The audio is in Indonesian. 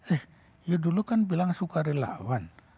eh ya dulu kan bilang sukarelawan